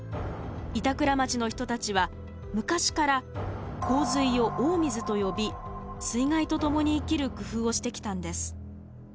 板倉町の人たちは昔から洪水を「大水」と呼び水害とともに生きる工夫をしてきたんです。